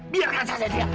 biarkan saja dia